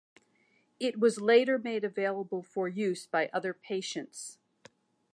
It was later made available for use by other patients.